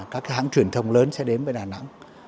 các hãng truyền thông lớn sẽ đến với đà nẵng